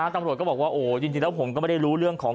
ตำรวจก็บอกว่าโอ้จริงแล้วผมก็ไม่ได้รู้เรื่องของ